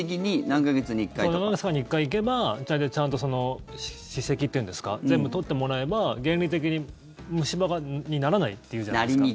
何か月かに１回行けば大体、ちゃんと歯石というんですか全部取ってもらえば原理的に虫歯にならないというじゃないですか。